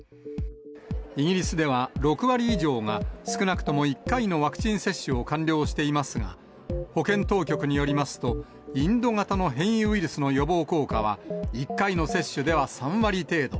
イギリスでは、６割以上が、少なくとも１回のワクチン接種を完了していますが、保健当局によりますと、インド型の変異ウイルスの予防効果は、１回の接種では３割程度。